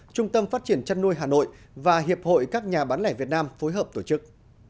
trung tâm phát triển chăn nuôi hà nội và hiệp hội các nhà bán lẻ việt nam phối hợp tổ chức